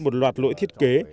một loạt lỗi thiết kế